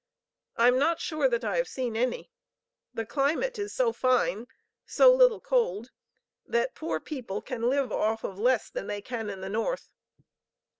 I am not sure that I have seen any. The climate is so fine, so little cold that poor people can live off of less than they can in the North.